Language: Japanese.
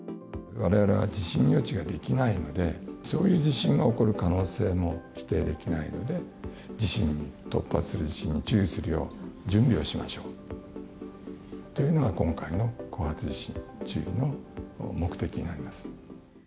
われわれは地震予知ができないので、そういう地震が起こる可能性も否定できないので、地震に、突発する地震に注意するよう準備をしましょうというのが、今回の後発地震注意の目的になります。